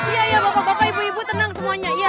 iya iya bapak bapak ibu ibu tenang semuanya